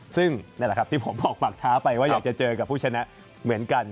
ซึ่งนั่นแหละครับที่ผมบอกปากเท้าไปว่าอยากจะเจอกับผู้ชนะเหมือนกัน